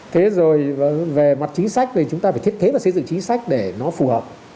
thế rồi về mặt chính sách thì chúng ta phải thiết kế và xây dựng chính sách để nó phù hợp